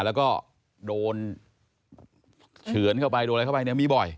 แล้วก็โดนเฉือนเข้าไปโดนอะไรเข้าไปเนี่ยมีบ่อย